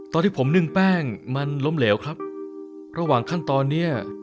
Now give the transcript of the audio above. ตอนที่ผมนึ่งแป้งมันล้มเหลวครับระหว่างขั้นตอนเนี้ย